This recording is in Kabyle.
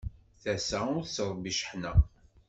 Tasa ur tettṛebbi cceḥna.